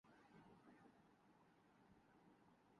Japan کی سڑکوں پر ایسے مزدوروں کی کمی نہیں